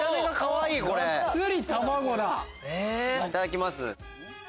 いただきます。